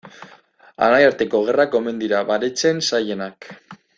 Anaiarteko gerrak omen dira baretzen zailenak.